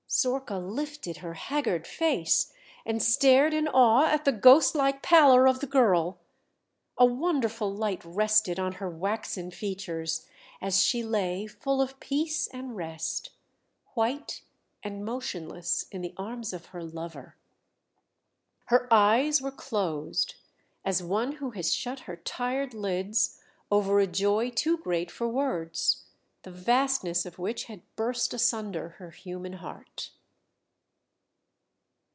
Zorka lifted her haggard face and stared in awe at the ghost like pallor of the girl. A wonderful light rested on her waxen features as she lay full of peace and rest, white and motionless in the arms of her lover. Her eyes were closed as one who has shut her tired lids over a joy too great for words, the vastness of which had burst asunder her human heart.